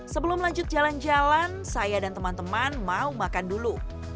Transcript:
sebelum lanjut jalan jalan saya dan teman teman mau makan dulu